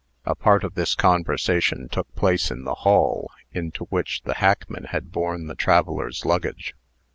A part of this conversation took place in the hall, into which the hackman had borne the travellers' luggage.